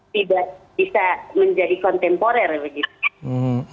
tidak bisa menjadi kontemporer begitu